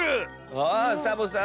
あサボさん